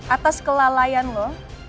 atas kelalaian lo